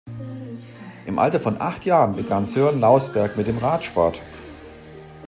Im Alter von acht Jahren begann Sören Lausberg mit dem Radsport.